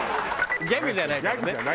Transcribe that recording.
ギャグじゃないからね。